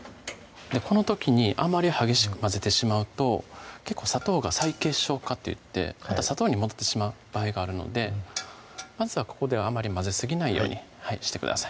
この時にあまり激しく混ぜてしまうと砂糖が再結晶化といって砂糖に戻ってしまう場合があるのでまずはここではあまり混ぜすぎないようにしてください